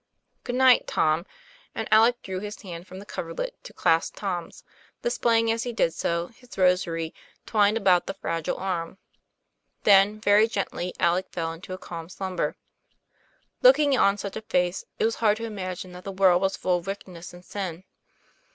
"Good night, Tom." And Alec drew his hand from the coverlet to clasp Tom's, displaying, as he did so, his rosary twined about the fragile arm. Then very gently Alec fell into a calm slumber. Looking on such a face, it was hard to imagine that the world was full of wickedness and sin.